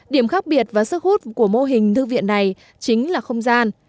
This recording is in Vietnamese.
điểm khác biệt và sức hút của mô hình thư viện này chính là không gian